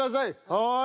「はい」。